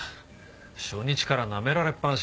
初日からなめられっぱなしですよ。